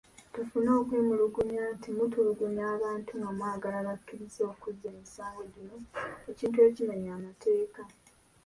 Tufune okwemulugunya nti mutulugunya abantu nga mwagala bakkirize okuzza emisango gino ekintu ekimenya amateeka.